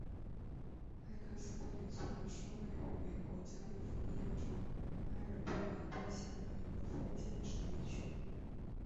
埃克斯特里村是位于美国加利福尼亚州埃尔多拉多县的一个非建制地区。